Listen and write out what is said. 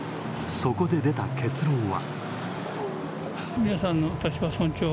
そこで出た結論は。